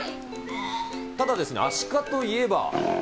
ただですね、アシカといえば。